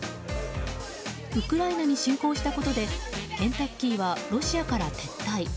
ウクライナに侵攻したことでケンタッキーはロシアから撤退。